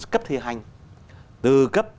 cấp thi hành từ cấp